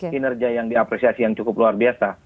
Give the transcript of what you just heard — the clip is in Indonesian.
kinerja yang diapresiasi yang cukup luar biasa